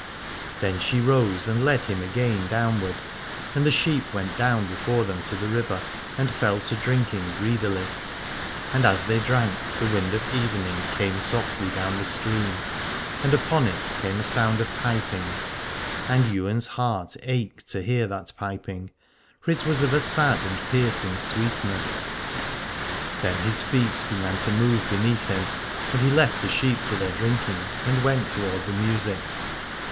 Then she rose and led him again down ward : and the sheep went down before them to the river, and fell to drinking greedily. And as they drank the wind of evening came 197 Aladore softly down the stream, and upon it came a sound of piping : and Ywain's heart ached to hear that piping, for it was of a sad and piercing sweetness. Then his feet began to move beneath him, and he left the sheep to their drinking and went toward the music.